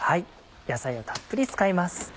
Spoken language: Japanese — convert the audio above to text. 野菜をたっぷり使います。